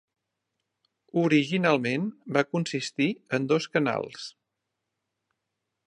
Originalment va consistir en dos canals.